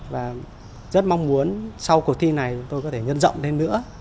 và rất mong muốn sau cuộc thi này tôi có thể nhân rộng lên nữa